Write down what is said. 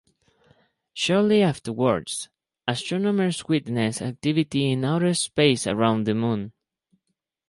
Shortly afterwards, astronomers witness activity in outer space around the moon.